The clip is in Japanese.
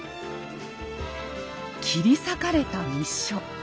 切り裂かれた密書。